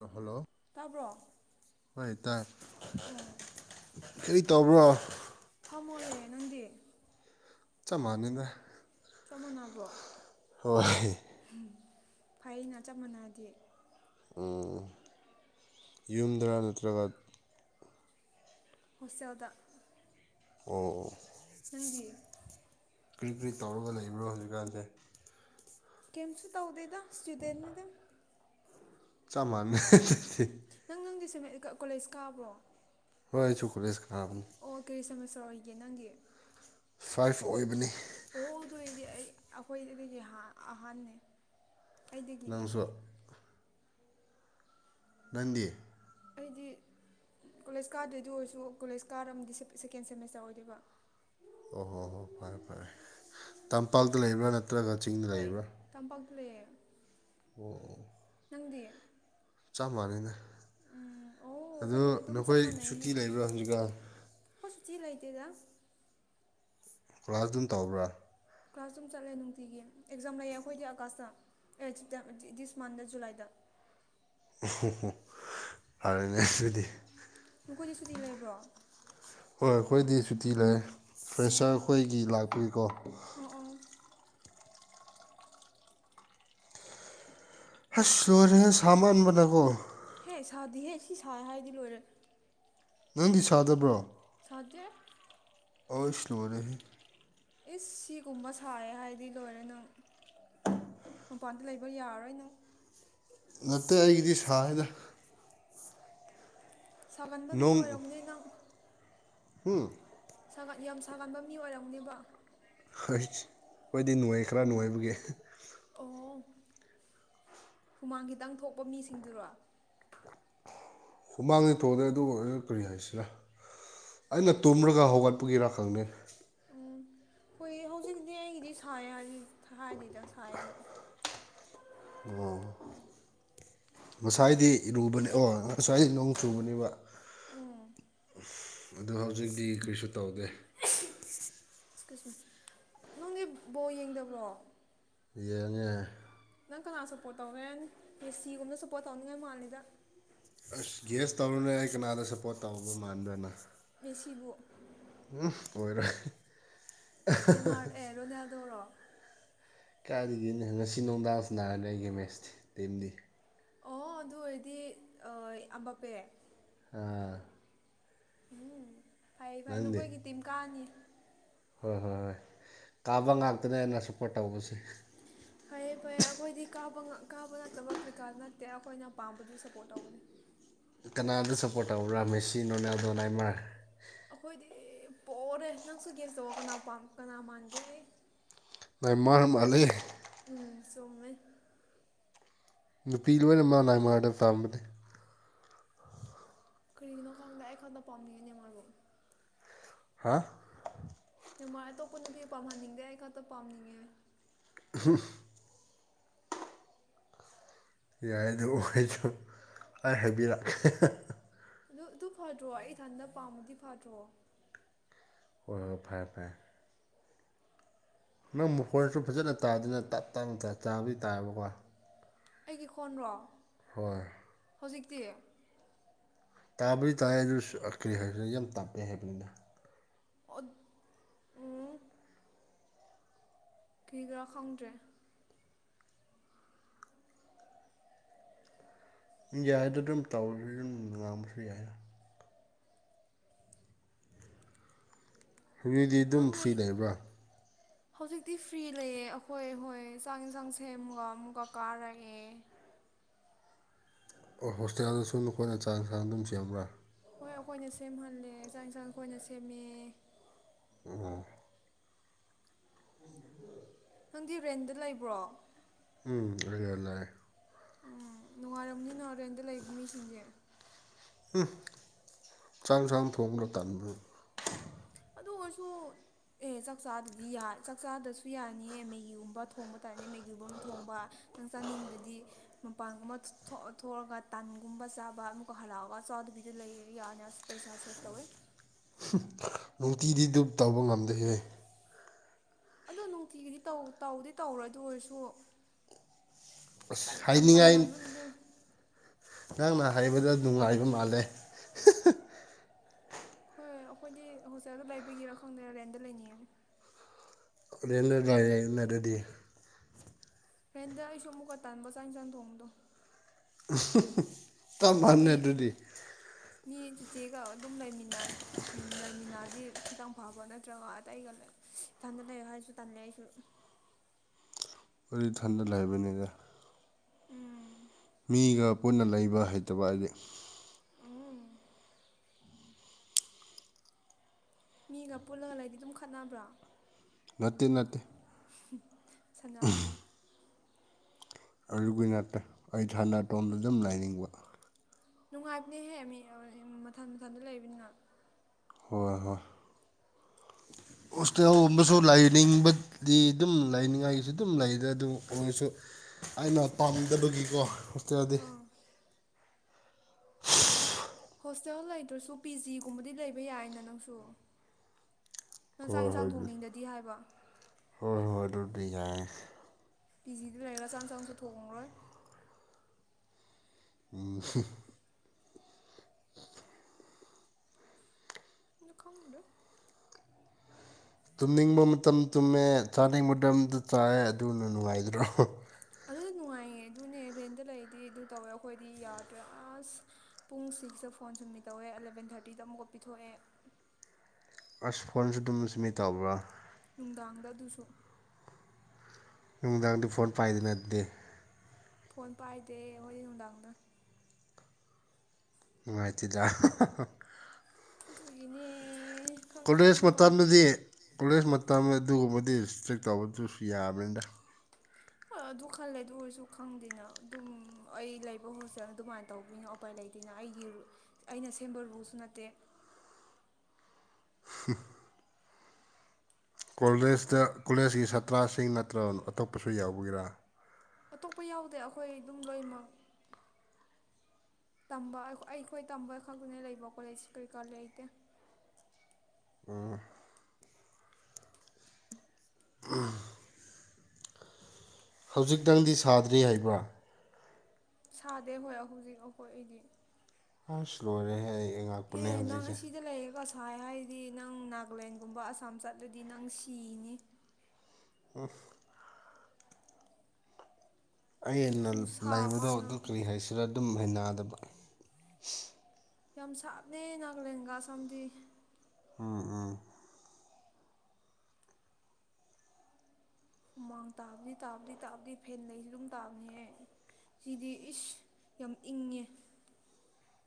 Hello. ꯇꯥꯕ꯭ꯔꯣ꯫ ꯍꯣꯏ ꯇꯥꯏꯦ ꯀꯔꯤ ꯇꯧꯕ꯭ꯔꯣ꯫ ꯐꯝꯃꯣꯂꯦ ꯅꯪꯗꯤ꯫ ꯆꯞ ꯃꯥꯟꯅꯩꯗ꯫ ꯆꯥꯞ ꯃꯥꯟꯅꯕ꯭ꯔꯣ꯫ ꯍꯣꯏ ꯎꯝ ꯐꯩꯩꯅ ꯆꯞ ꯃꯥꯟꯅꯗꯤ ꯌꯨꯝꯗꯔ ꯅꯠꯇ꯭ꯔꯒ ꯍꯣꯁꯇꯦꯜꯗ ꯑꯣ ꯅꯪꯒꯤ ꯀ꯭ꯔꯤꯠ ꯀ꯭ꯔꯤ ꯇꯧꯔꯒ ꯂꯩꯕ꯭ꯔꯣ ꯍꯧꯖꯤꯛꯀꯥꯟꯁꯦ ꯀꯝꯁꯨ ꯇꯧꯗꯦꯗ ꯁ꯭ꯇꯨꯗꯦꯟꯅꯤꯗ ꯆꯞ ꯃꯥꯟꯅꯦ [unintelligible] ꯅꯪ ꯅꯪꯗꯤ ꯁꯦꯝ ꯀꯣꯂꯦꯖ ꯀꯥꯕ꯭ꯔꯣ ꯍꯣꯏꯑꯩꯁꯨ ꯀꯣꯂꯦꯁ ꯀꯥꯕꯅꯤ ꯑꯣ ꯀꯩ ꯁꯦꯃꯤꯁ꯭ꯔ ꯑꯣꯏꯒꯦ ꯅꯪꯒꯤ ꯐꯥꯏꯚ ꯑꯣꯏꯕꯅꯤ ꯑꯣ ꯑꯗꯣꯏꯗꯤ ꯑꯩ ꯑꯈꯣꯏꯗꯗꯒꯤꯗꯤ ꯑ ꯑꯍꯥꯟꯅꯦ ꯑꯩꯗꯒꯤ ꯅꯪꯁꯨ ꯅꯪꯗꯤ ꯑꯩꯗꯤ ꯀꯣꯂꯦꯖ ꯀꯥꯗ꯭ꯔꯦ ꯑꯗꯨꯑꯣꯏꯔꯁꯨ ꯀꯣꯂꯦꯖ ꯀꯥꯔꯝꯃꯗꯤ ꯁꯦꯀꯦꯟ ꯁꯦꯃꯦꯁꯇꯔ ꯑꯣꯏꯗꯣꯏꯕ ꯑꯣ ꯍꯣ ꯍꯣ ꯐꯔꯦ ꯐꯔꯦ ꯇꯝꯄꯥꯛꯇ ꯂꯩꯕ꯭ꯔꯥ ꯅꯠꯇ꯭ꯔꯒ ꯆꯤꯡꯗ ꯍꯣꯏ ꯂꯩꯕ꯭ꯔꯥ ꯇꯝꯄꯥꯛꯇꯂꯩꯑꯦ ꯑꯣ ꯑꯣ ꯅꯪꯗꯤ ꯆꯞ ꯃꯥꯟꯅꯦ ꯎꯝ ꯑꯣ ꯑꯗꯣ ꯑꯩꯈꯣꯏꯅꯤꯁꯦ ꯑꯗꯨꯝ ꯆꯞ ꯅꯈꯣꯏ ꯁꯨꯇꯤ ꯂꯩꯕ꯭ꯔꯥ ꯍꯧꯖꯤꯛꯀꯥꯟ ꯈꯣꯏ ꯁꯨꯇꯤ ꯂꯩꯇꯦꯗ ꯀ꯭ꯂꯥꯁ ꯑꯗꯨꯝ ꯇꯧꯕ꯭ꯔꯥ ꯀ꯭ꯂꯥꯁ ꯑꯗꯨꯝ ꯆꯠꯂꯦ ꯅꯨꯡꯇꯤꯒꯤ ꯑꯦꯛꯖꯥꯝ ꯂꯩꯌꯦ ꯑꯈꯣꯏꯗꯤ ꯑꯀꯥꯁꯇ ꯑꯦ [unintelligible] ꯗꯤꯁ ꯃꯟꯗ ꯖꯨꯂꯥꯏꯗ [unintelligible] ꯐꯔꯦꯅꯦꯑꯗꯨꯗꯤ ꯅꯈꯣꯏꯗꯤ ꯁꯨꯇꯤ ꯂꯩꯕ꯭ꯔꯣ ꯑꯣ ꯍꯣꯏ ꯑꯈꯣꯏꯗꯤ ꯁꯨꯇꯤ ꯂꯩꯌꯦ ꯐ꯭ꯔꯦꯁꯔ ꯈꯣꯏꯒꯤ ꯂꯥꯛꯄꯒꯤꯀꯣ ꯑꯣ ꯑꯣ ꯍꯁ ꯂꯨꯔꯦ ꯁꯥꯃꯟꯕꯅꯀꯣ ꯍꯦ ꯁꯥꯗꯦꯍꯦ ꯁꯤ ꯁꯥꯏ ꯍꯥꯏꯗꯤ ꯂꯣꯏꯔꯦ ꯅꯪꯗꯤ ꯁꯥꯗꯕ꯭ꯔꯣ ꯁꯥꯗꯦꯍ ꯑꯁꯂꯣꯔꯦꯍꯦ ꯏꯁ ꯁꯤꯒꯨꯝꯕ ꯁꯥꯏꯌꯦ ꯍꯥꯏꯗꯤ ꯂꯣꯏꯔꯦ ꯅꯪ ꯃꯄꯥꯟꯗ ꯂꯩꯕ ꯌꯥꯔꯔꯣꯏ ꯅꯪ ꯅꯠꯇꯦ ꯑꯩꯒꯤꯗꯤ ꯁꯥꯏꯌꯦꯅ ꯁꯥꯒꯟꯕ ꯃꯤ ꯑꯣꯏꯔꯝꯅꯤ ꯅꯪ ꯍꯨꯝ ꯁꯥꯒꯟ ꯌꯥꯝ ꯁꯥꯒꯟꯕ ꯃꯤ ꯑꯣꯏꯔꯝꯅꯦꯕ ꯍꯣꯏ ꯍꯣꯏꯗꯤ ꯅꯨꯡꯉꯥꯏ ꯈꯔ ꯅꯨꯡꯉꯥꯏꯕꯒꯤ ꯑꯣ ꯍꯨꯃꯥꯡ ꯈꯤꯇꯪ ꯊꯣꯛꯄ ꯃꯤꯁꯤꯡꯗꯨꯔꯣ ꯍꯨꯃꯥꯡꯗꯤ ꯊꯣꯛꯗꯦ ꯑꯗꯨꯕꯨ ꯑꯩ ꯀꯔꯤ ꯍꯥꯏꯁꯤꯔ ꯑꯩꯅ ꯇꯨꯝꯔꯒ ꯍꯧꯒꯠꯄꯒꯤꯔꯥ ꯈꯪꯗꯦ ꯎꯝ ꯍꯨꯏꯌꯦ ꯍꯧꯖꯤꯛꯇꯤ ꯑꯩꯒꯤꯗꯤ ꯁꯥꯏꯌꯦ ꯍꯥꯏꯗꯤ ꯍꯥꯏꯗꯤꯗ ꯁꯥꯏꯌꯦꯅ ꯑꯣ ꯉꯁꯥꯏꯗꯤ ꯏꯔꯨꯕꯅꯤ ꯑꯣ ꯉꯁꯥꯏꯗꯤ ꯅꯣꯡ ꯆꯨꯕꯅꯦꯕ ꯎꯝ ꯑꯗꯨ ꯍꯧꯖꯤꯛꯇꯤ ꯀꯔꯤꯁꯨ ꯇꯧꯗꯦ [unintelligible] ꯅꯪꯒꯤ ꯕꯣ ꯌꯦꯡꯗꯕ꯭ꯔꯣ ꯌꯦꯡꯉꯦ ꯅꯪ ꯀꯅꯥ ꯁꯞꯄꯣꯔꯠ ꯇꯧꯔꯦ ꯃꯤꯁꯤꯒꯨꯝꯕꯅ ꯁꯞꯄꯣꯔꯠ ꯇꯧꯅꯤꯡꯉꯥꯏ ꯃꯥꯜꯂꯤꯗ ꯑꯁ ꯒꯦꯁ ꯇꯧꯔꯨꯅꯦ ꯑꯩ ꯀꯅꯥꯗ ꯁꯞꯄꯣꯠ ꯇꯧꯕ ꯃꯥꯟꯕ꯭ꯔꯥꯅ ꯃꯦꯁꯤꯕꯨꯨ ꯎꯝ ꯑꯣꯏꯔꯥ ꯅꯦꯃꯥꯔ ꯑꯦ ꯔꯣꯅꯦꯜꯗꯣꯔꯣ ꯀꯥꯏꯗꯒꯤꯅꯦ ꯉꯁꯤ ꯅꯨꯡꯗꯥꯡ ꯁꯥꯟꯅꯔꯅꯤ ꯑꯩꯒꯤ ꯃꯦꯁꯇꯤ ꯇꯤꯝꯗꯤ ꯑꯣ ꯑꯗꯨ ꯑꯣꯏꯔꯗꯤ ꯑꯣꯢ ꯑꯝꯕꯥꯄꯦ ꯑꯥ ꯎꯝ ꯐꯩ ꯐꯩ ꯅꯪꯗꯤ ꯅꯈꯣꯏꯒꯤ ꯇꯤꯝ ꯀꯥꯅꯤ ꯍꯣꯏ ꯍꯣꯏ ꯍꯣꯏ ꯇꯥꯕ ꯉꯥꯛꯇꯅꯦ ꯑꯩꯅ ꯁꯞꯄꯣꯔꯠ ꯇꯧꯕꯁꯦ [unintelligible] ꯐꯩꯌꯦ ꯐꯩꯌꯦ ꯑꯩꯈꯣꯏꯗꯤ ꯀꯥꯕ ꯉꯥꯛ ꯀꯥꯕ ꯅꯠꯇꯕ ꯀ꯭ꯔꯤꯀꯔꯥ ꯅꯠꯇꯦ ꯑꯩꯈꯣꯏꯅ ꯄꯥꯝꯕꯗꯨ ꯁꯞꯄꯣꯔꯠ ꯇꯧꯒꯅꯤ ꯀꯅꯥꯗ ꯁꯞꯄꯣꯔꯠ ꯇꯧꯕ꯭ꯔꯥ ꯃꯦꯁꯤ ꯅꯣꯔꯅꯥꯜꯗꯣ ꯅꯥꯏꯃꯥꯔ ꯑꯩꯈꯣꯏꯗꯤ ꯄꯣꯔꯦ ꯅꯪꯁꯨ ꯒꯦꯁ ꯇꯧꯋꯣ ꯀꯅꯥ ꯄꯥꯝ ꯀꯅꯥ ꯃꯥꯟꯒꯦ ꯑꯩ ꯅꯦꯃꯥꯔ ꯃꯥꯜꯂꯤ ꯎꯝ ꯆꯨꯝꯃꯤ ꯅꯨꯄꯤ ꯂꯣꯏꯅꯃꯛ ꯅꯥꯏꯃꯥꯔꯗ ꯄꯥꯝꯕꯅꯦ ꯀꯔꯤꯒꯤꯅꯣ ꯈꯪꯗꯦ ꯑꯩ ꯈꯛꯗ ꯄꯥꯝꯅꯤꯡꯉꯦ ꯅꯦꯃꯥꯔꯕꯨ ꯍꯥ ꯅꯦꯃꯥꯔ ꯑꯇꯣꯞꯄ ꯅꯨꯄꯤ ꯄꯥꯝꯍꯟꯅꯤꯡꯗꯦ ꯑꯩ ꯈꯛꯇ ꯄꯥꯝꯅꯤꯡꯉꯦ [unintelligible] ꯌꯥꯏ ꯑꯗꯨ ꯑꯣꯏꯁꯨ ꯑꯩ ꯍꯥꯏꯕꯤꯔꯛ [unintelligible] ꯑꯗꯨ ꯑꯗꯨ ꯐꯥꯗ꯭ꯔꯣ ꯑꯩ ꯏꯊꯟꯗ ꯄꯥꯝꯃꯗꯤ ꯐꯗ꯭ꯔꯣ ꯍꯣꯏ ꯍꯣꯏ ꯐꯔꯦ ꯐꯔꯦ ꯅꯪ ꯃꯈꯣꯟꯁꯨ ꯐꯖꯅ ꯇꯥꯗꯅ ꯇꯠꯇꯪꯅ ꯇꯥꯕꯗꯤ ꯇꯥꯕꯀꯣ ꯑꯩꯒꯤ ꯈꯣꯟꯔꯣ ꯍꯣꯏ ꯍꯧꯖꯤꯛꯇꯤ ꯇꯥꯕꯨꯗꯤ ꯇꯥꯥꯏꯌꯦ ꯑꯗꯨꯁꯨ ꯑ ꯀꯔꯤ ꯍꯥꯏꯁꯤꯔꯥ ꯌꯥꯝ ꯇꯞꯄꯦ ꯍꯥꯏꯕꯅꯤꯗ ꯑꯣꯠ ꯀꯤꯒꯤꯔꯥ ꯈꯪꯗ꯭ꯔꯦ ꯌꯥꯏꯗ ꯑꯗꯨꯝ ꯇꯧꯔꯁꯨ ꯌꯨꯝ ꯉꯥꯡꯕꯁꯨ ꯌꯥꯏ ꯍꯧꯖꯤꯛꯇꯤ ꯑꯗꯨꯝ ꯅꯪ ꯐ꯭ꯔꯤ ꯂꯩ ꯂꯩꯕ꯭ꯔꯥ ꯍꯧꯖꯤꯛꯇꯤ ꯐ꯭ꯔꯤ ꯂꯩꯌꯦ ꯑꯩꯈꯣꯏ ꯍꯣꯏ ꯆꯥꯛ ꯌꯦꯟꯁꯥꯡ ꯁꯦꯝꯃꯒ ꯑꯃꯨꯛꯒ ꯀꯥꯔꯛꯑꯦ ꯑꯣ ꯍꯣꯁꯇꯦꯜꯁꯨ ꯅꯈꯣꯏꯅ ꯆꯥꯛꯏꯟꯁꯥꯡ ꯑꯗꯨꯝ ꯁꯦꯝꯕ꯭ꯔꯥ ꯍꯣꯏ ꯑꯩꯈꯣꯏꯅ ꯁꯦꯝꯍꯜꯂꯦ ꯆꯥꯛ ꯌꯦꯟꯁꯥꯡ ꯑꯩꯈꯣꯏꯅ ꯁꯦꯝꯃꯦ ꯎꯝ [unintelligible] ꯅꯪꯗꯤ ꯔꯦꯟꯗ ꯂꯩꯕ꯭ꯔꯣ ꯎꯝ ꯔꯦꯜ ꯂꯥꯛꯑꯦ ꯎꯝ ꯅꯨꯡꯉꯥꯏꯔꯝꯅꯤꯅ ꯔꯦꯟꯗ ꯂꯩꯕ ꯃꯤꯁꯤꯡꯗꯤ ꯎꯝ ꯆꯥꯛꯏꯟꯁꯥꯡ ꯊꯣꯡꯕ ꯇꯟꯕꯩ ꯑꯗꯨ ꯑꯣꯏꯔꯁꯨ ꯑꯦ ꯆꯥꯛꯆꯥꯗꯗꯤ ꯌꯥ ꯆꯥꯛꯆꯥꯗꯁꯨ ꯌꯥꯅꯤꯌꯦ ꯃꯦꯒꯤꯒꯨꯝꯕ ꯊꯣꯡꯕ ꯇꯥꯔꯗꯤ ꯃꯦꯒꯤꯒꯨꯝꯕ ꯊꯣꯡꯕ ꯅꯪ ꯆꯥꯅꯤꯡꯗꯗꯤ ꯃꯄꯥꯟꯒꯨꯝꯕ ꯊꯣꯛꯑ ꯊꯣꯛꯑꯒ ꯇꯥꯟꯒꯨꯝꯕ ꯆꯥꯕ ꯑꯃꯨꯛꯀ ꯍꯔꯛꯑꯒ ꯆꯥꯗꯕꯤꯗ ꯂꯩꯔꯦ ꯌꯥꯅꯤ ꯑꯁ ꯄꯩꯁꯥ ꯁꯦꯞ ꯇꯧꯋꯦ ꯍꯨꯝ ꯅꯨꯡꯇꯤꯗꯤ ꯗꯨꯛ ꯇꯧꯕ ꯉꯝꯗꯦꯍꯦ ꯑꯗꯣ ꯅꯨꯡꯇꯤꯒꯤꯗꯤ ꯇꯧ ꯇꯧꯗꯤ ꯇꯧꯔꯣꯏ ꯑꯗꯨ ꯑꯣꯏꯔꯁꯨ ꯇꯟ ꯑꯁ ꯌꯥꯝ ꯇꯟ ꯍꯥꯏꯅꯤꯡꯉꯥꯏ ꯃꯥꯟꯕꯜꯂꯦ ꯅꯪꯅ ꯍꯥꯏꯕꯗ ꯅꯨꯡꯉꯥꯏꯕ ꯃꯥꯜꯂꯦ ꯍꯣꯏ ꯑꯩꯈꯣꯏꯗꯤ ꯍꯣꯁꯇꯦꯜꯗ ꯂꯩꯕꯒꯤꯔꯥ ꯈꯪꯗꯦ ꯔꯦꯟꯗ ꯂꯩꯅꯤꯡꯉꯦ ꯔꯦꯟꯗ ꯂꯩꯔꯣꯗꯅ ꯑꯗꯨꯗꯤ ꯔꯦꯟꯗꯣ ꯑꯩꯁꯨ ꯑꯃꯨꯛꯀ ꯇꯟꯕ ꯆꯥꯛ ꯍꯦꯟꯁꯥꯡ ꯊꯣꯡꯕꯗꯣ ꯍꯨꯝ ꯍꯨꯝ ꯆꯞ ꯃꯤ ꯃꯥꯟꯅꯩ ꯑꯗꯨꯗꯤ ꯃꯤ ꯆꯤꯆꯦꯒ ꯑꯗꯨꯝ ꯂꯩꯃꯤꯟꯅ__ ꯎꯝ ꯂꯩꯥꯃꯤꯟꯅꯥꯗꯤ ꯈꯤꯇꯪ ꯐꯥꯕ ꯅꯠꯇ꯭ꯔꯒ ꯑꯇꯩꯒ ꯂꯩ ꯏꯊꯟꯗ ꯂꯩꯌꯣ ꯍꯥꯏꯁꯨ ꯇꯜꯂꯦ ꯑꯩꯁꯨ ꯑꯩꯗꯤ ꯏꯊꯟꯗ ꯂꯩꯕꯅꯦꯗ ꯎꯝ ꯃꯤꯒ ꯄꯨꯟꯅ ꯂꯩꯕ ꯍꯩꯇꯕ ꯍꯥꯏꯗꯤ ꯎꯝ ꯃꯤꯒ ꯄꯨꯜꯂꯒ ꯂꯩꯗꯤ ꯑꯗꯨꯝ ꯈꯠꯅꯕ꯭ꯔꯥ ꯅꯠꯇꯦ ꯅꯠꯇꯦ ꯁꯥꯟꯅꯕꯅꯦ ꯑꯗꯨꯒꯤ ꯅꯠꯇꯦ ꯑꯩ ꯊꯟꯗ ꯑꯇꯣꯝꯗ ꯗꯨꯝ ꯂꯩꯏꯅꯤꯡꯕ ꯅꯨꯡꯉꯥꯏꯕꯅꯦꯍꯦ ꯃꯤ [unintelligible] ꯃꯊꯟ ꯃꯊꯟꯗ ꯂꯩꯕꯅꯤꯅ ꯍꯣꯏ ꯍꯣꯏ ꯍꯣꯁꯇꯦꯜꯒꯨꯝꯕꯁꯨ ꯂꯥꯏꯅꯤꯡꯕꯗꯤ ꯑꯗꯨꯝ ꯂꯩꯅꯤꯡꯉꯥꯏꯒꯤꯁꯨ ꯑꯗꯨꯝ ꯂꯩꯗ ꯑꯗꯨ ꯑꯃꯨꯛꯁꯨ ꯑꯩꯅ ꯄꯥꯝꯗꯕꯒꯤꯀꯣ ꯆꯗꯦ ꯑꯥ [unintelligible] ꯍꯣꯁꯇꯦꯜ ꯂꯩꯇ꯭ꯔꯁꯨ ꯄꯤ ꯖꯤꯒꯨꯝꯕꯗꯤ ꯂꯩꯕ ꯌꯥꯏꯌꯦꯅ ꯅꯪꯁꯨ ꯅꯪ ꯆꯥꯛ ꯍꯣꯏ ꯌꯦꯟꯁꯥꯡ ꯍꯣꯏ ꯊꯣꯡꯅꯤꯡꯗꯗꯤ ꯍꯥꯏꯕ ꯍꯣꯏ ꯍꯣꯏ ꯑꯗꯨꯗꯤ ꯌꯥꯏ ꯄꯤ ꯖꯤꯗ ꯂꯩꯔꯒ ꯆꯥꯛ ꯍꯦꯟꯁꯥꯡꯁꯨ ꯊꯣꯡꯉꯔꯣꯏ ꯎꯝ [unintelligible] ꯑꯗꯣ ꯈꯪꯗꯦ ꯇꯨꯝꯅꯤꯡꯕ ꯃꯇꯝ ꯇꯨꯝꯃꯦ ꯆꯥꯅꯤꯡꯕ ꯃꯇꯝꯗ ꯆꯥꯏꯌꯦ ꯑꯗꯨꯅ ꯅꯨꯡꯉꯥꯏꯗ꯭ꯔꯣ [unintelligible] ꯑꯗꯨꯅ ꯅꯨꯡꯉꯥꯏꯌꯦ ꯑꯗꯨꯅꯦ ꯔꯦꯟꯗ ꯂꯩꯔꯗꯤ ꯑꯗꯨ ꯇꯧꯋꯦ ꯑꯩꯈꯣꯏꯗꯤ ꯌꯥꯗ꯭ꯔꯦ ꯑꯁ ꯄꯨꯡ ꯁꯤꯛꯁꯇ ꯐꯣꯟ ꯁꯨꯝꯃꯤꯠ ꯇꯧꯋꯦ ꯑꯦꯂꯚꯦꯟ ꯊꯥꯔꯇꯤꯗ ꯑꯃꯨꯛꯀ ꯄꯤꯊꯣꯛꯑꯦ ꯑꯁ ꯐꯣꯟꯁꯨ ꯑꯗꯨꯝ ꯁꯞꯃꯤꯠ ꯇꯧꯕ꯭ꯔꯥ ꯅꯨꯡꯗꯥꯡꯗ ꯑꯗꯨꯁꯨ ꯅꯨꯡꯗꯥꯡꯗ ꯐꯣꯟ ꯄꯥꯏꯗꯦꯅ ꯑꯗꯨꯗꯤ ꯐꯣꯟ ꯄꯥꯏꯗꯦ ꯑꯩꯈꯣꯏꯗꯤ ꯅꯨꯡꯗꯥꯡꯗ ꯅꯨꯡꯉꯥꯏꯇꯦꯗꯥ ꯑꯗꯨꯒꯤꯅꯦ ꯈꯪꯗꯦ ꯀꯣꯂꯦꯁ ꯃꯄꯥꯟ ꯃꯇꯝꯗꯗꯤ ꯀꯣꯂꯦꯖ ꯃꯇꯝ ꯑꯗꯨꯒꯨꯝꯕꯗꯤ ꯁꯇ꯭ꯔꯤꯛ ꯇꯧꯕ ꯗꯨꯁꯨ ꯌꯥꯕꯅꯤꯗ ꯍ ꯑꯗꯨ ꯈꯜꯂꯦ ꯑꯗꯨ ꯑꯣꯏꯔꯁꯨ ꯈꯪꯗꯦꯅ ꯑꯗꯨꯝ ꯑꯩ ꯂꯩꯕ ꯍꯣꯁꯇꯦꯜ ꯑꯗꯨꯃꯥꯏꯅ ꯇꯧꯕꯅꯤꯅ ꯎꯄꯥꯏ ꯂꯩꯇꯦꯅ ꯑꯩꯒꯤ ꯔꯨꯠ ꯑꯩꯅ ꯁꯦꯝꯕ ꯔꯨꯜꯁꯨ ꯅꯠꯇꯦ [unintelligible] ꯀꯣꯂꯦꯖꯇ ꯀꯣꯂꯦꯖꯀꯤ ꯁꯥꯇ꯭ꯔꯥꯁꯤꯡ ꯅꯠꯇ꯭ꯔꯣ ꯑꯇꯣꯞꯄꯁꯨ ꯌꯥꯎꯕꯒꯤꯔꯥ ꯑꯇꯣꯞꯄ ꯌꯥꯎꯗꯦ ꯑꯩꯈꯣꯏ ꯑꯗꯨꯝ ꯂꯣꯏꯅꯃꯛ ꯇꯝꯕ ꯑꯈ ꯑꯩꯈꯣꯏ ꯇꯝꯕ ꯈꯛꯇꯅꯦ ꯂꯩꯕ ꯀꯣꯂꯦꯖ ꯀꯩꯀꯥ ꯂꯩꯇꯦ ꯎꯝ ꯎꯝ ꯍꯧꯖꯤꯛꯇꯪꯗꯤ ꯁꯥꯗ꯭ꯔꯤ ꯍꯥꯏꯕ꯭ꯔꯥ ꯁꯥꯗꯦ ꯍꯣꯏ ꯍꯧꯖꯤꯛ ꯑꯩꯈꯣꯏ ꯑꯩꯗꯤ ꯍꯁ ꯂꯣꯏꯔꯦꯍꯦ ꯍꯦ ꯉꯥꯛꯄꯅꯦ ꯅꯪ ꯍꯧꯖꯤꯛꯁꯦ ꯑꯁꯤꯗ ꯂꯩꯌꯦꯀꯣ [unintelligible] ꯁꯥꯏ ꯍꯥꯏꯗꯤ ꯅꯪ ꯅꯥꯒꯥꯂꯦꯟꯒꯨꯝꯕ ꯑꯁꯥꯝ ꯆꯠꯂꯗꯤ ꯅꯪ ꯁꯤꯅꯤ ꯎꯝꯐ ꯑꯩꯅ ꯈꯨꯁꯥ ꯂꯩꯕꯗꯣ ꯑꯃ ꯑꯗꯨ ꯅꯪ ꯀꯔꯤ ꯍꯥꯏꯁꯤꯔꯥ ꯑꯗꯨꯝ ꯍꯩꯅꯗꯕ ꯌꯥꯝ ꯁꯥꯕꯅꯦ ꯅꯒꯥꯂꯦꯟꯒ ꯑꯁꯥꯝꯗꯤ ꯎꯝ ꯎꯝ ꯍꯨꯃꯥꯡ ꯇꯥꯕꯗꯤ ꯇꯥꯕꯗꯤ ꯇꯥꯕꯗꯤ ꯐꯦꯟ ꯂꯩꯁꯨ ꯑꯗꯨꯝ ꯇꯥꯕꯅꯦꯍꯦ ꯁꯤꯗꯤ ꯏꯁ ꯌꯥꯝ ꯏꯪꯉꯦ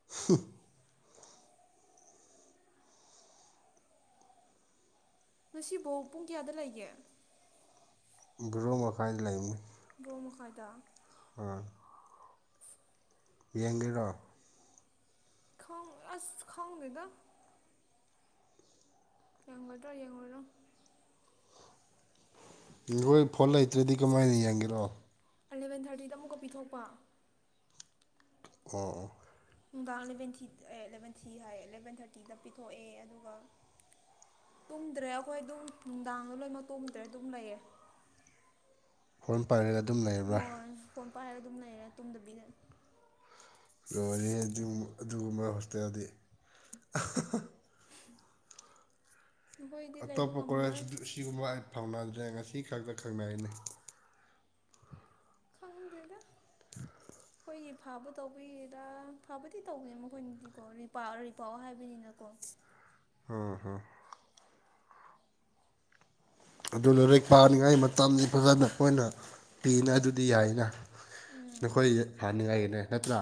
[inaudible] ꯉꯁꯤꯕꯧꯛ ꯄꯨꯡ ꯀꯌꯥꯗ ꯂꯩꯒꯦ ꯕꯔꯣ ꯃꯈꯥꯏꯗ ꯂꯩꯕꯅꯤ ꯕꯣꯡ ꯃꯈꯥꯏꯗ ꯑꯥ ꯌꯦꯡꯒꯦꯔꯣ ꯈꯪ ꯑꯁ ꯈꯪꯗꯦꯗꯥ ꯌꯦꯡꯒꯗ꯭ꯔꯥ ꯌꯦꯡꯉꯣꯏꯔꯥ ꯅꯣꯏ ꯐꯣꯟ ꯂꯩꯇ꯭ꯔꯗꯤ ꯀꯃꯥꯏꯅ ꯌꯦꯡꯒꯦꯔꯣ ꯑꯦꯂꯕꯦꯟ ꯊꯥꯔꯇꯤꯗ ꯑꯃꯨꯛꯀꯥ ꯄꯤꯊꯣꯛꯄ ꯑꯣ ꯑꯣ ꯅꯨꯡꯗꯥꯡ ꯑꯦꯂꯚꯦꯟ ꯊꯤ ꯑꯦ ꯑꯦꯂꯚꯦꯟ ꯊꯤ ꯍꯥꯏꯌꯦ ꯑꯦꯂꯚꯦꯟ ꯊꯥꯔꯇꯤꯗ ꯄꯤꯊꯣꯛꯑꯦ ꯑꯗꯨꯒ ꯇꯨꯡꯗ꯭ꯔꯦ ꯑꯩꯈꯣꯏ ꯑꯗꯨꯝ ꯅꯨꯡꯗꯥꯡꯗ ꯂꯣꯏꯃꯛ ꯇꯨꯝꯗ꯭ꯔꯦ ꯑꯗꯨꯝ ꯂꯩꯌꯦ ꯐꯣꯟ ꯄꯥꯏꯔꯒ ꯑꯗꯨꯝ ꯂꯩꯕ꯭ꯔꯥ ꯍꯣꯏ ꯐꯣꯟ ꯄꯥꯏꯔꯒ ꯑꯗꯨꯝ ꯂꯩꯔꯦ ꯇꯨꯝꯗꯕꯤꯗ ꯂꯣꯏꯔꯦꯍꯦ ꯑꯗꯨꯒꯨꯝ ꯑꯗꯨꯒꯨꯝꯕ ꯍꯣꯁꯇꯦꯜꯗꯤ ꯅꯈꯣꯏꯗꯤ ꯂꯩꯕ ꯑꯇꯣꯞꯄ ꯀꯣꯂꯦꯖ ꯉꯝꯃꯔꯣꯏ ꯑꯗꯨ ꯑꯁꯤꯒꯨꯝꯕ ꯑꯩ ꯐꯥꯎꯅꯗ꯭ꯔꯦ ꯉꯁꯤ ꯈꯛꯇ ꯈꯪꯅꯩꯅꯦ ꯈꯪꯗꯦꯗꯥ [inaudible] ꯑꯩꯈꯣꯏꯒꯤ ꯐꯕ ꯇꯧꯕꯒꯤꯔꯥ ꯐꯕꯗꯤ ꯇꯧꯕꯅꯦ ꯃꯈꯣꯏꯅꯗꯤꯀꯣ ꯔꯤꯄꯥꯎ ꯔꯤꯄꯥꯎ ꯍꯥꯏꯕꯅꯤꯅꯀꯣ ꯍ ꯍꯥ ꯑꯗꯨ ꯂꯥꯏꯔꯤꯛ ꯄꯥꯅꯤꯡꯉꯥꯏ ꯃꯇꯝꯗꯤ ꯐꯖꯅ ꯍꯣꯏꯅ ꯄꯤꯅ ꯑꯗꯨꯗꯤ ꯌꯥꯏꯅ ꯎꯝ ꯅꯈꯣꯏꯒꯤ ꯐꯥꯅꯤꯡꯉꯥꯏꯒꯤꯅꯦ ꯅꯠꯇ꯭ꯔꯥ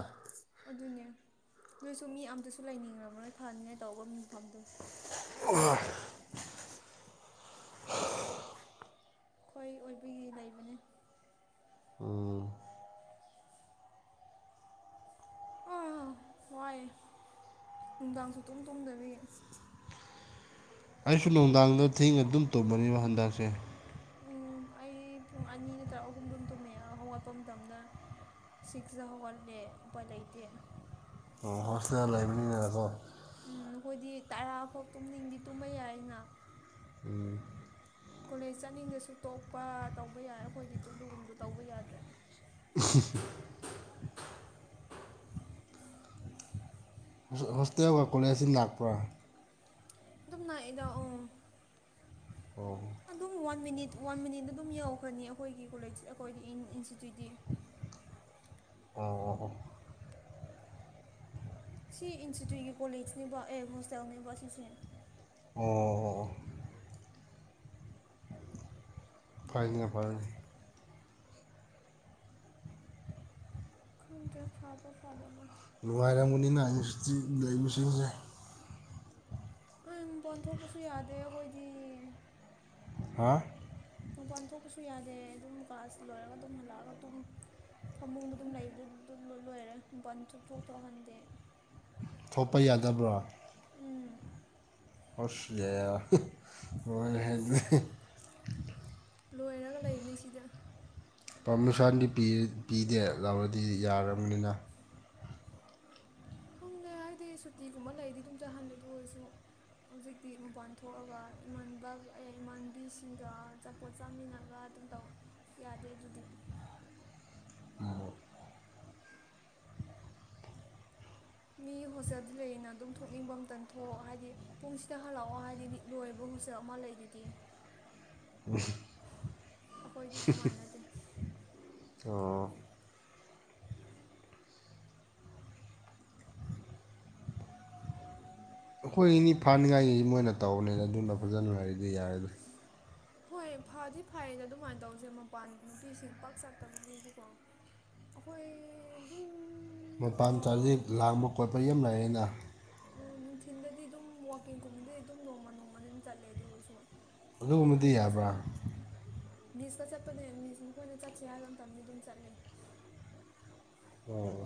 ꯑꯗꯨꯅꯦ ꯑꯗꯨꯑꯣꯏꯁꯨ ꯃꯤ ꯑꯝꯇꯁꯨ ꯂꯩꯅꯤꯡꯉꯝꯃꯔꯣꯏ ꯐꯅꯤꯉꯥꯏ ꯇꯧꯕ ꯃꯐꯝꯗꯣ ꯑꯣ ꯑꯈꯣꯏ ꯑꯣꯏꯕꯒꯤ ꯂꯩꯕꯅꯦ ꯎꯝ ꯑꯥ ꯋꯥꯏꯌꯦ ꯅꯨꯡꯗꯥꯡ ꯁꯨꯛꯇꯨꯝ ꯇꯨꯝꯗꯕꯒꯤ ꯑꯩꯁꯨ ꯅꯨꯡꯗꯥꯡꯗꯨ ꯊꯦꯡꯅ ꯑꯗꯨꯝ ꯇꯨꯝꯕꯅꯦꯕ ꯍꯟꯗꯛꯁꯦ ꯎꯝ ꯑꯩ ꯄꯨꯡ ꯑꯅꯤ ꯅꯠꯇ꯭ꯔ ꯑꯍꯨꯝ ꯗꯨꯝ ꯇꯨꯝꯃꯦ ꯍꯧꯒꯠꯄ ꯃꯇꯝꯗ ꯁꯤꯛꯁꯇ ꯍꯧꯒꯠꯂꯦ ꯎꯄꯥꯏ ꯂꯩꯇꯦ ꯑꯣ ꯍꯣꯁꯇꯦꯜ ꯂꯩꯕꯅꯤꯅꯥꯀꯣ ꯎꯝ ꯅꯈꯣꯏꯗꯤ ꯇꯔꯥꯐꯥꯎ ꯇꯨꯝꯅꯤꯡꯗꯤ ꯇꯨꯝꯕ ꯌꯥꯏꯅ ꯎꯝ ꯀꯣꯂꯦꯖ ꯆꯠꯅꯤꯡꯗꯁꯨ ꯇꯣꯛꯄ ꯇꯧꯕ ꯌꯥꯏ ꯑꯩꯈꯣꯏꯗꯤ ꯇꯨꯗꯨꯒꯨꯝꯕꯗꯨ ꯇꯧꯕ ꯌꯥꯗ꯭ꯔꯦ [unintelligible] ꯑꯩꯖꯨ ꯍꯣꯁꯇꯦꯜꯋꯛ ꯀꯣꯂꯦꯖꯇꯤ ꯂꯥꯛꯄ꯭ꯔꯥ ꯑꯗꯨꯝ ꯅꯛꯏꯗꯥ ꯎꯝ ꯑꯣ ꯑꯗꯨꯝ ꯋꯥꯟ ꯃꯤꯅꯤꯠ ꯋꯥꯟ ꯃꯤꯅꯤꯠꯗ ꯑꯗꯨꯝ ꯌꯧꯈ꯭ꯔꯅꯤ ꯑꯩꯈꯣꯏꯒꯤ ꯀꯣꯂꯦꯖ ꯑꯩꯈꯣꯏꯒꯤ ꯏꯟ ꯏꯟꯁꯇꯤꯇ꯭ꯌꯨꯠꯇꯤ ꯑꯣ ꯑꯣ ꯁꯤ ꯏꯟꯁꯇꯤꯇ꯭ꯌꯨꯠꯀꯤ ꯀꯣꯂꯦꯖꯅꯦꯕ ꯑꯦ ꯍꯣꯁꯇꯦꯜꯅꯦꯕ ꯁꯤꯁꯦ ꯑꯣ ꯑꯣ ꯑꯣ ꯑꯗꯨꯒꯤ ꯐꯩꯅꯦ ꯐꯕꯗꯤ ꯈꯪꯗ꯭ꯔꯦ ꯐꯥꯕꯔꯥ ꯐꯥꯗꯕꯥꯔꯥ ꯅꯨꯡꯉꯥꯏꯔꯝꯒꯅꯤꯅ ꯏꯟꯁꯇꯤꯇ꯭ꯌꯨꯠ ꯂꯩꯕꯥꯁꯤꯡꯁꯦ ꯑꯩ ꯃꯥꯄꯥꯟꯊꯣꯛꯄꯁꯨ ꯌꯥꯗꯦ ꯑꯈꯣꯏꯗꯤ ꯍꯥ ꯃꯄꯥꯟ ꯊꯣꯛꯄꯁꯨ ꯌꯥꯗꯦ ꯑꯗꯨꯝ ꯀ꯭ꯂꯥꯁ ꯂꯣꯏꯔꯒ ꯑꯗꯨꯝ ꯍꯜꯂꯛꯑꯥꯒ ꯇꯨꯝ ꯐꯥꯃꯨꯡꯗ ꯑꯗꯨꯝ ꯂꯩꯕꯗꯨ ꯂꯣꯏꯔꯦ ꯃꯥꯄꯥꯟ ꯊꯣꯛ ꯊꯣꯛꯍꯟꯗꯦ ꯊꯣꯛꯄ ꯌꯥꯗꯕ꯭ꯔꯣ ꯎꯝ ꯑꯣꯁꯤꯌꯦ ꯂꯣꯏꯔꯦꯍꯦ ꯑꯗꯨꯗꯤ ꯂꯣꯏꯔꯒ ꯂꯩꯕꯅꯤ ꯁꯤꯗ ꯄꯥꯔꯃꯤꯁꯟꯗꯤ ꯄꯤꯗꯦ ꯂꯧꯔꯗꯤ ꯌꯥꯔꯕꯅꯤꯅ ꯈꯪꯗꯦ ꯍꯥꯏꯗꯤ ꯁꯨꯇꯤꯒꯨꯝꯕ ꯂꯩꯗꯤ ꯑꯗꯨꯝ ꯆꯥꯍꯜꯂꯦ ꯑꯗꯨ ꯑꯣꯏꯔꯁꯨ ꯍꯧꯖꯤꯛꯇꯤ ꯃꯄꯥꯟ ꯊꯣꯛꯑꯒ ꯏꯃꯥꯟꯅꯕ ꯏꯃꯥꯟꯕꯤꯁꯤꯡꯒ ꯄꯣꯠ ꯆꯥꯃꯤꯟꯅꯒ ꯑꯗꯨꯝ ꯇꯧꯌꯦ ꯌꯥꯗꯦ ꯑꯗꯨꯗꯤ [unintelligible] ꯃꯤ ꯍꯣꯁꯇꯦꯜ ꯂꯩꯌꯦꯅ ꯑꯗꯨꯝ ꯊꯣꯛꯅꯤꯡꯕ ꯑꯃꯇ ꯊꯣꯛꯑꯣ ꯍꯥꯏꯗꯤ ꯄꯨꯡꯁꯤꯗ ꯍꯜꯂꯛꯑꯣ ꯍꯥꯏꯗꯤ ꯂꯣꯏꯕ ꯍꯣꯁꯇꯦꯜ ꯑꯃ ꯂꯩꯗꯨꯗꯤ ꯎꯝ ꯑꯩꯈꯣꯏꯗꯤ ꯑꯗꯨꯃꯥꯟꯅꯗꯦ ꯑꯣ ꯑꯩꯈꯣꯏ ꯏꯅꯤ ꯐꯥꯅꯤꯡꯉꯥꯏꯒꯤ ꯃꯣꯏꯅ ꯇꯧꯕꯅꯦꯅ ꯑꯗꯨꯅ ꯐꯖꯅ ꯂꯩꯔꯗꯤ ꯌꯔꯦꯗ [unintelligible] ꯍꯣꯏ ꯐꯗꯤ ꯐꯩꯌꯦꯗ ꯑꯗꯨꯃꯥꯏꯅ ꯇꯧꯁꯦ ꯃꯄꯥꯟ ꯅꯨꯄꯤꯁꯤꯡ ꯄꯥꯛ ꯆꯠꯇꯕꯒꯤꯗꯤꯀꯣ ꯑꯩꯈꯣꯏ ꯑꯗꯨꯝ ꯃꯄꯥꯟ ꯆꯥꯠꯗꯤ ꯂꯥꯡꯕ ꯈꯣꯠꯄ ꯌꯥꯝ ꯂꯩꯑꯦꯅ ꯎꯝ ꯅꯨꯡꯊꯤꯟꯗꯗꯤ ꯑꯗꯨꯝ ꯋꯥꯛꯀꯤꯡꯒꯨꯝꯕꯗꯤ ꯑꯗꯨꯝ ꯅꯣꯡꯃ ꯅꯣꯡꯃꯗꯤ ꯑꯗꯨꯝ ꯆꯠꯂꯦ ꯑꯗꯨ ꯑꯣꯏꯁꯨ ꯑꯗꯨꯒꯨꯝꯕꯗꯤ ꯌꯥꯕ꯭ꯔꯥ ꯃꯤꯁꯀ ꯆꯠꯄꯅꯦ ꯃꯤꯁ ꯃꯈꯣꯏꯅ ꯆꯠꯁꯦ ꯍꯥꯏꯕ ꯃꯇꯝꯗ ꯑꯗꯨꯝ ꯆꯠꯂꯤ ꯑꯣ